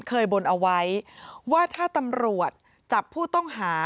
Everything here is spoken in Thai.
บนเอาไว้ว่าถ้าตำรวจจับผู้ต้องหา